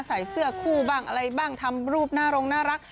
ใส่เสื้อคู่บ้างอะไรบ้างทำรูปหน้าโรงน่ารัก